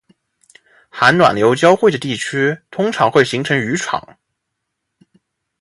寒暖流交汇的地区通常会形成渔场